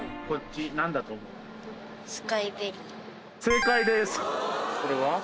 これは？